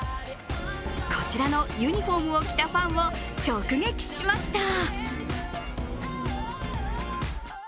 こちらのユニフォームを着たファンを直撃しました。